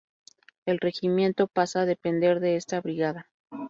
El regimiento pasa a depender de esta brigada.